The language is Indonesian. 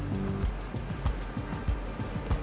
candu ombak cimaja